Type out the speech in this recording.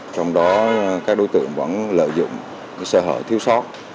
trong đó các đối tượng vẫn lợi dụng xã hội thiếu sót